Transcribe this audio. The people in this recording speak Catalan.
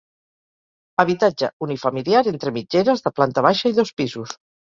Habitatge unifamiliar entre mitgeres de planta baixa i dos pisos.